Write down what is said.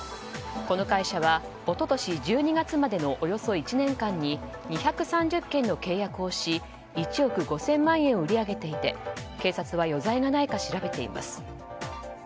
この会社は、一昨年１２月までのおよそ１年間に２３０件の契約をし１億５０００万円を売り上げていて警察は余罪がないか調べています。